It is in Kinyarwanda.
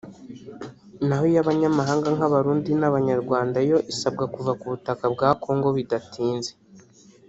naho iy’abanyamahanga nk’Abarundi n’Abanyarwanda yo isabwa kuva ku butaka bwa Congo bidatinze